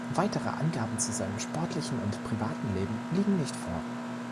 Weitere Angaben zu seinem sportlichen und privaten Leben liegen nicht vor.